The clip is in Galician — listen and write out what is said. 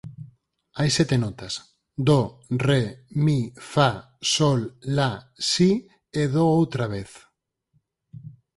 Hai sete notas: do, re, mi, fa, sol, la, si e do outra vez